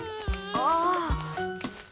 ああ。